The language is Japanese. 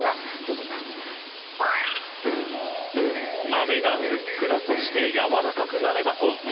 豆がふっくらとして軟らかくなればＯＫ。